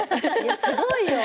すごいよ。